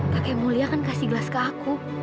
kakek mulia kan kasih gelas ke aku